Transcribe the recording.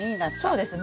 そうです。